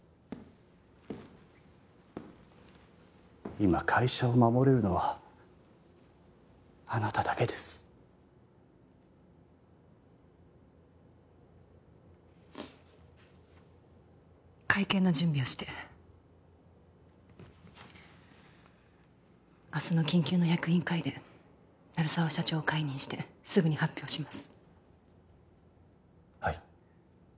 今会社を守れるのはあなただけです会見の準備をして明日の緊急の役員会で鳴沢社長を解任してすぐに発表します